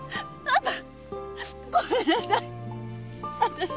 パパ。